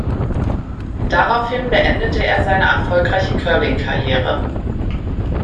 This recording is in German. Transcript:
Daraufhin beendete er seine erfolgreiche Curling-Karriere.